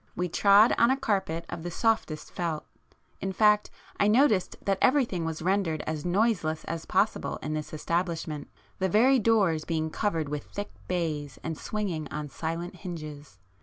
We trod on a carpet of the softest felt,—in fact I noticed that everything was rendered as noiseless as possible in this establishment, the very doors being covered with thick baize and swinging on silent hinges.